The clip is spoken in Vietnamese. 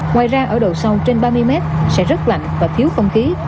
ngoài ra ở độ sâu trên ba mươi m sẽ rất lạnh và thiếu khó khăn